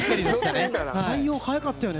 反応、早かったよね。